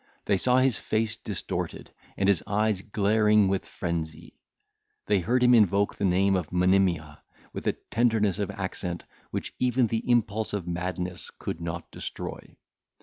They saw his face distorted, and his eyes glaring with frenzy; they heard him invoke the name of Monimia with a tenderness of accent which even the impulse of madness could not destroy.